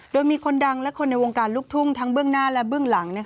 โดยมีคนดังและคนในวงการลูกทุ่งทั้งเบื้องหน้าและเบื้องหลัง